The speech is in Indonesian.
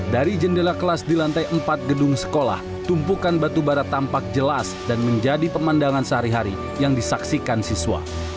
dari jendela kelas di lantai empat gedung sekolah tumpukan batubara tampak jelas dan menjadi pemandangan sehari hari yang disaksikan siswa